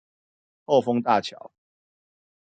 後豐大橋